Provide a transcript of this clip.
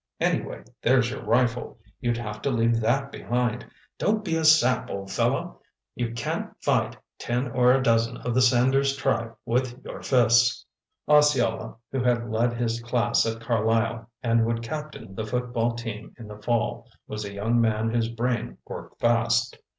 Anyway, there's your rifle—you'd have to leave that behind. Don't be a sap, old fella. You can't fight ten or a dozen of the Sanders tribe with your fists!" Osceola, who had led his class at Carlisle, and would captain the football team in the fall, was a young man whose brain worked fast.